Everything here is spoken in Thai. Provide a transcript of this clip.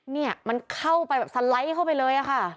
เนี่ยมันเข้าไปแบบสไลด์เข้าไปเลยค่ะ